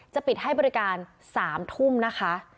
ปิดให้บริการ๓ทุ่มนะคะ